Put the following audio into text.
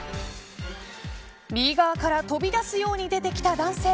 右側から飛び出すように出てきた男性。